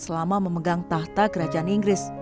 selama memegang tahta kerajaan inggris